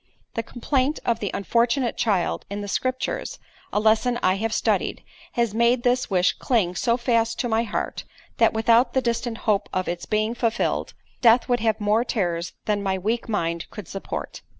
The complaint of the unfortunate child in the scriptures (a lesson I have studied) has made this wish cling so fast to my heart, that without the distant hope of its being fulfilled, death would have more terrors than my weak mind could support.